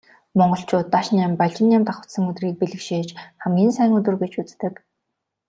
Монголчууд Дашням, Балжинням давхацсан өдрийг бэлгэшээж хамгийн сайн өдөр гэж үздэг.